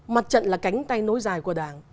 mặt trận là cánh tay nối dài của đảng